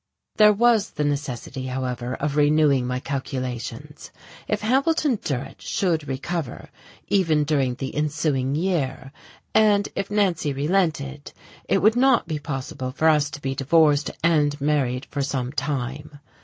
There was the necessity, however, of renewing my calculations. If Hambleton Durrett should recover, even during the ensuing year, and if Nancy relented it would not be possible for us to be divorced and married for some time.